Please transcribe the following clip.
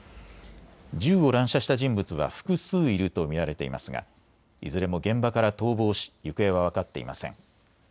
銃を乱射した人物は複数いると見られていますがいずれも現場から逃亡し行方は分かっていません。